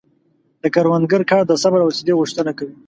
د کروندګر کار د صبر او حوصلې غوښتنه کوي.